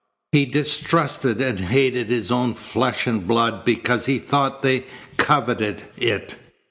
He distrusted and hated his own flesh and blood because he thought they coveted it.